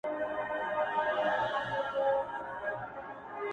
د شهیدانو هدیرې جوړي سي،